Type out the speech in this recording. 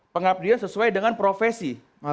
pengabdian sesuai dengan profesi